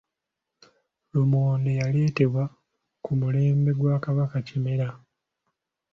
Lumonde yaleetebwa ku mulembe gwa Kabaka Kimera.